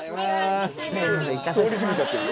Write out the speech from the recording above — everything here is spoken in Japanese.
通り過ぎちゃってるよ。